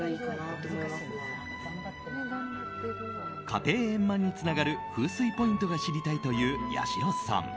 家庭円満につながる風水ポイントが知りたいという、やしろさん。